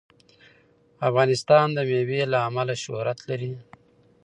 افغانستان د مېوې له امله شهرت لري.